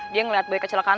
dia ngeliat boy kecelakaan